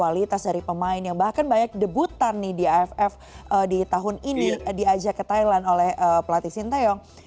kualitas dari pemain yang bahkan banyak debutan nih di aff di tahun ini diajak ke thailand oleh pelatih sinteyong